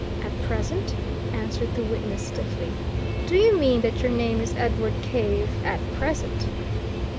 "At present," answered the witness, stiffly. "Do you mean that your name is Edward Cave at present?"